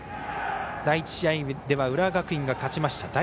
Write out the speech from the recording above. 第１試合では浦和学院が勝ちました。